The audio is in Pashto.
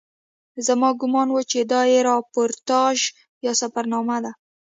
زما ګومان و چې دا یې راپورتاژ یا سفرنامه ده.